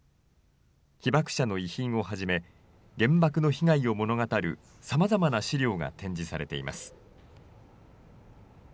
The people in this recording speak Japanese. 被爆者の遺品をはじめ、原爆の被害を物語るさまざまな資料が展示されています。